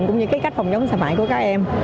cũng như cái cách phòng chống xâm hại của các em